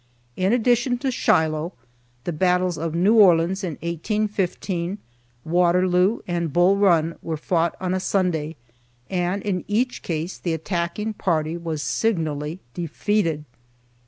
In addition to Shiloh, the battles of New Orleans in 1815, Waterloo, and Bull Run were fought on a Sunday, and in each case the attacking party was signally defeated.